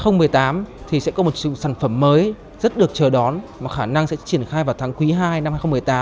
năm hai nghìn một mươi tám thì sẽ có một sản phẩm mới rất được chờ đón mà khả năng sẽ triển khai vào tháng quý ii năm hai nghìn một mươi tám